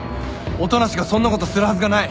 音無がそんなことするはずがない！